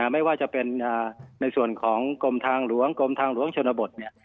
ไม่ว่าจะเป็นในส่วนของกรมทางหลวงกรมทางหลวงชนบท